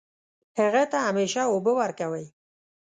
هغه ته همیشه اوبه ورکوئ